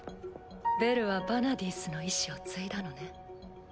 ベルはヴァナディースの遺志を継いだのね。